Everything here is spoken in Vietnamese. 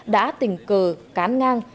đã tình cờ cán ngang